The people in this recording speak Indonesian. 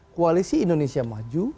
koalisi indonesia maju